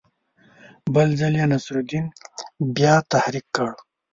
بل ځل یې نصرالدین بیا تحریک کړ.